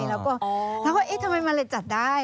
แล้วก็เอ๊ะทำไมมัลจะจัดได้